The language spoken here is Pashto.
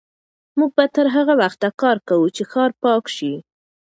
موږ به تر هغه وخته کار کوو چې ښار پاک شي.